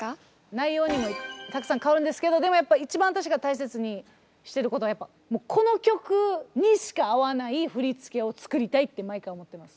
内容にもよってたくさん変わるんですけどでもやっぱ一番私が大切にしていることはこの曲にしか合わない振付を作りたいって毎回思ってます。